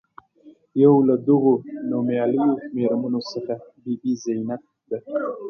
یو له دغو نومیالیو میرمنو څخه بي بي زینب ده.